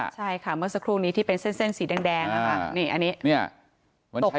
ใช่ค่ะเมื่อสักครู่นี้ที่เป็นเส้นสีแดงนะคะนี่อันนี้เนี่ย